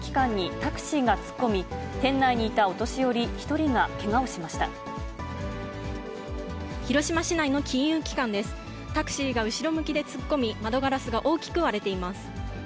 タクシーが後ろ向きで突っ込み、窓ガラスが大きく割れています。